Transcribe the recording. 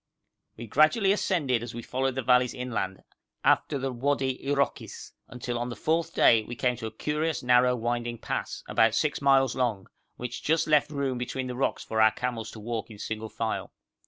We gradually ascended as we followed the valleys inland, after the Wadi Iroquis, until on the fourth day we came to a curious narrow winding pass, about six miles long, which just left room between the rocks for our camels to walk in single file.